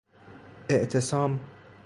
اِعتصام